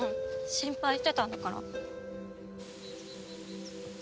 心配してたんだから。